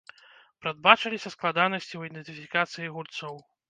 Прадбачыліся складанасці ў ідэнтыфікацыі гульцоў.